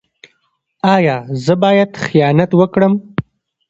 ایا زه باید خیانت وکړم؟